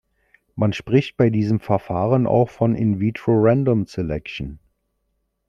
Man spricht bei diesen Verfahren auch von "in vitro random selection".